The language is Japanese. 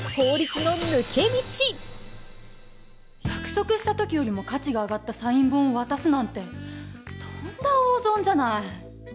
約束した時よりも価値が上がったサイン本を渡すなんてとんだ大損じゃない！